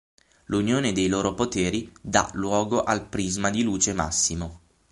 L'unione dei loro poteri dà luogo al Prisma di luce massimo.